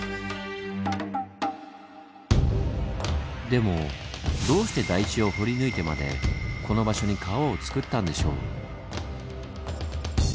でもどうして台地を掘り抜いてまでこの場所に川をつくったんでしょう？